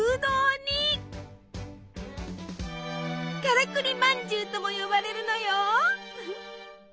「からくりまんじゅう」とも呼ばれるのよ。